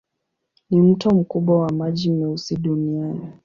Ni mto mkubwa wa maji meusi duniani.